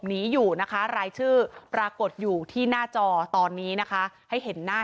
นี้อยู่นะคะรายชื่อปรากฏอยู่ที่หน้าจอตอนนี้นะคะให้เห็นหน้า